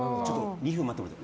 ２分待ってもらって。